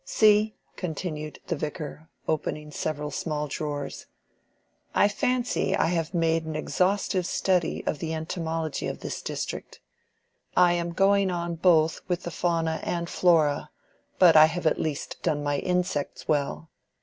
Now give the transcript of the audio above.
See," continued the Vicar, opening several small drawers, "I fancy I have made an exhaustive study of the entomology of this district. I am going on both with the fauna and flora; but I have at least done my insects well.